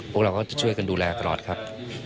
พวกเราก็จะช่วยกันดูแลตลอดครับ